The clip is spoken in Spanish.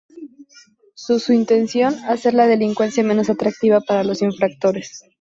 Su su intención hacer la delincuencia menos atractiva para los infractores.